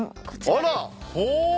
あら！